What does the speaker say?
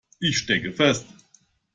Ich stecke fest.